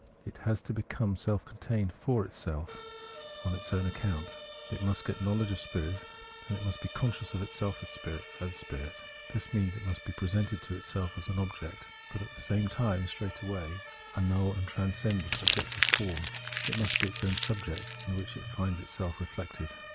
It has to become self contained for itself, on its own account ; it must get knowledge of spirit, and must be consciousness of itself as spirit. This means, it must be presented to itself as an object, but at the same time straightway annul and transcend this objective form ; it must be its own object in which it finds itself reflected.